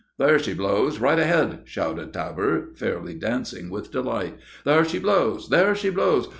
"There she blows! right ahead!" shouted Tabor, fairly dancing with delight. "There she blows there she blows!"